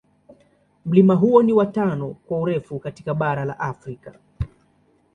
Mlima huo ni wa tano kwa urefu katika bara la Afrika.